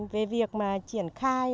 về việc mà triển khai